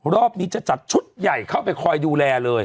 รอบนี้จะจัดชุดใหญ่เข้าไปคอยดูแลเลย